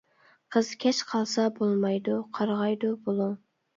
قىز كەچ قالسا بولمايدۇ، قارغايدۇ بۇلۇڭ.